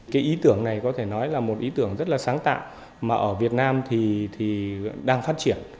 cái ý tưởng này có thể nói là một ý tưởng rất là sáng tạo mà ở việt nam thì đang phát triển